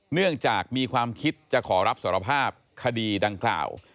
เนื่องจากมีความคิดจะขอรับสารภาพคดีดังกล่าว